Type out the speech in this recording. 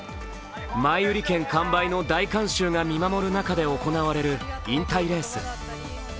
前売り券完売の大観衆が見守る中で行われる引退レース。